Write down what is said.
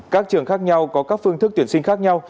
các trường khác nhau có các phương thức tuyển sinh khác nhau